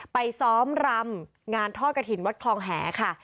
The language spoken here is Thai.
ไปซ้อมรำงานทอดกระถิ่นวัดคลองแหค่ะ